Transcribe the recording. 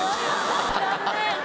残念。